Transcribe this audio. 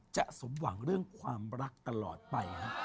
สมหวังเรื่องความรักตลอดไป